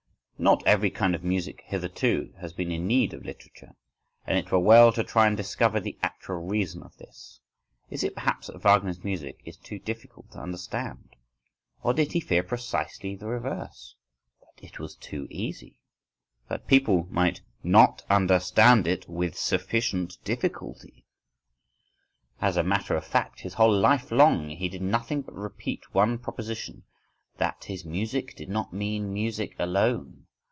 —Not every kind of music hitherto has been in need of literature; and it were well, to try and discover the actual reason of this. Is it perhaps that Wagner's music is too difficult to understand? Or did he fear precisely the reverse—that it was too easy,—that people might not understand it with sufficient difficulty?—As a matter of fact, his whole life long, he did nothing but repeat one proposition: that his music did not mean music alone!